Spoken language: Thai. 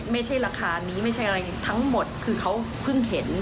ไม่ใช่ราคานี้ไม่ใช่อะไรทั้งหมดคือเขาเพิ่งเห็น